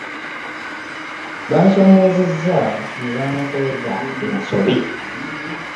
Bansoomoozezza ne bankoza ensobi.